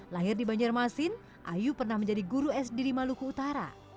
lahir di banjarmasin ayu pernah menjadi guru sd di maluku utara